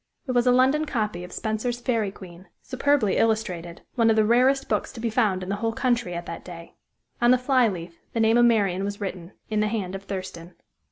It was a London copy of Spenser's Fairy Queen, superbly illustrated, one of the rarest books to be found in the whole country at that day. On the fly leaf the name of Marian was written, in the hand of Thurston.